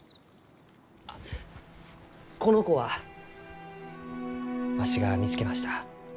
あこの子はわしが見つけました。